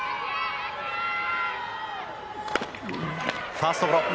ファーストゴロ。